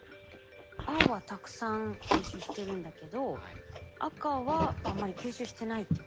青はたくさん吸収してるんだけど赤はあんまり吸収してないっていうことですか？